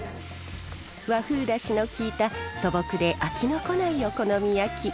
和風だしの効いた素朴で飽きのこないお好み焼き。